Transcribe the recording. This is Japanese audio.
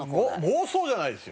妄想じゃないですよ。